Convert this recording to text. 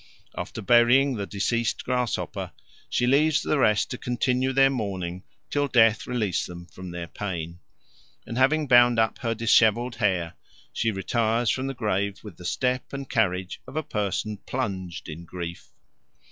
After burying the deceased grasshopper she leaves the rest to continue their mourning till death releases them from their pain; and having bound up her dishevelled hair she retires from the grave with the step and carriage of a person plunged in grief.